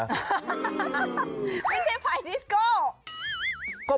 ไม่ใช่ภายดิสโก